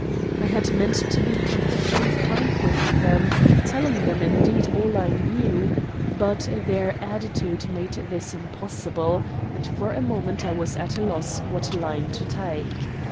I had meant to be perfectly frank with them, telling them, indeed, all I knew; but their attitude made this impossible, and for a moment I was at a loss what line to take.